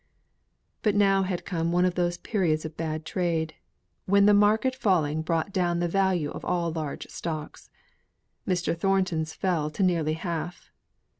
But now had come one of those periods of bad trade, when the market falling brought down the value of all large stocks; Mr. Thornton's fell to nearly half.